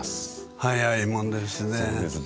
早いもんですね。